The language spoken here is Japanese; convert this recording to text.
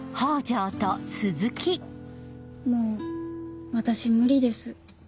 もう私無理です。